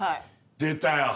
出たよ！